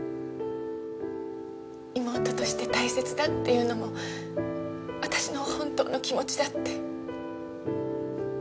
妹として大切だっていうのも私の本当の気持ちだって。